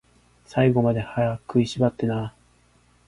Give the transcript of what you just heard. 最後まで、歯食いしばってなー